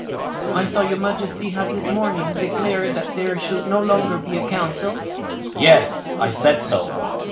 "I thought your majesty had this morning declared that there should no longer be a council?" "Yes, I said so."